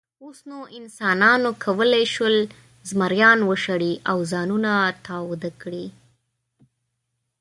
اوس نو انسانانو کولی شول، زمریان وشړي او ځانونه تاوده کړي.